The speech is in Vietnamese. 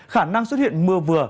khả năng xuất hiện mưa vừa